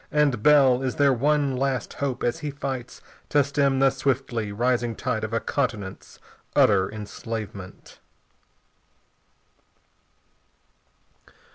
And Bell is their one last hope as he fights to stem the swiftly rising tide of a continent's utter enslavement.